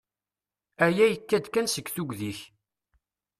Aya yekka-d kan seg tugdi-ik.